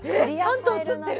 ちゃんと映ってる！